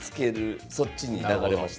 そっちに流れました。